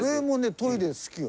トイレ好きよ。